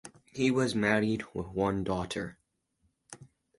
He was married with one daughter.